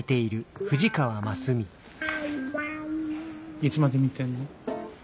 いつまで見てんの？